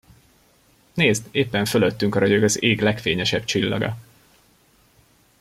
Nézd, éppen fölöttünk ragyog az ég legfényesebb csillaga!